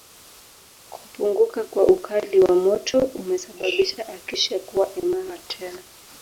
kupunguka kwa ukali wa moto umesababisha Acacia kuwa imara tena